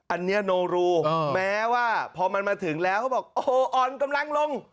อันนี้โนรูแม้ว่าพอมันมาถึงแล้วเขาบอกโอ้โหอ่อนกำลังลง